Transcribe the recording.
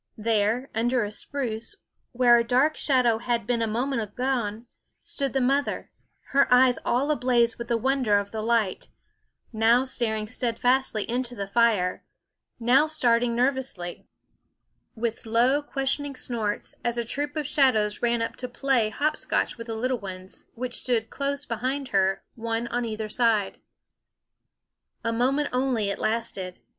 There, under a spruce, where a dark shadow had been a moment agone, stood the mother, her eyes all ablaze with the wonder of the light; now staring steadfastly into the fire; now starting nervously, with low questioning snorts, as a troop of shadows ran up to play hop scotch with the little ones, which stood close behind her, one on either side. A moment only it lasted.